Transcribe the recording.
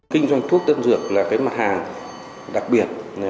kinh doanh thuốc tân dược là cái mặt hàng đặc biệt